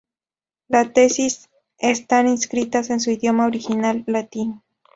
Las Tesis están inscritas en su idioma original latín.